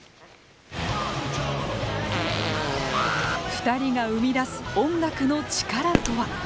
二人が生み出す音楽の力とは。